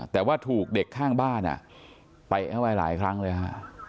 แต่ว่าถูกเด็กข้างบ้านเตะเข้าไปหลายครั้งเลยฮะ